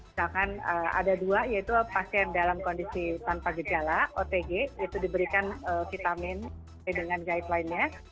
misalkan ada dua yaitu pasien dalam kondisi tanpa gejala otg itu diberikan vitamin dengan guideline nya